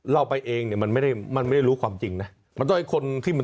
เราไปเองมันไม่ได้ไม่ได้รู้ความจริงนะมันต้องให้คนที่มันทำงานตแถวนั้น